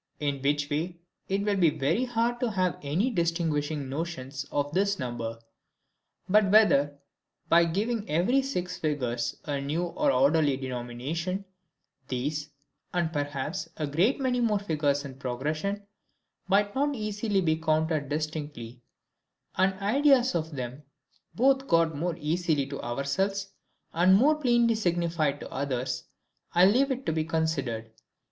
In which way, it will be very hard to have any distinguishing notions of this number. But whether, by giving every six figures a new and orderly denomination, these, and perhaps a great many more figures in progression, might not easily be counted distinctly, and ideas of them both got more easily to ourselves, and more plainly signified to others, I leave it to be considered.